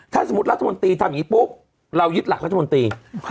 ถ้าสมมุติรัฐมนตรีทำอย่างนี้ปุ๊บเรายึดหลักรัฐมนตรี